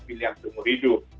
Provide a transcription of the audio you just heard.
pilihan seumur hidup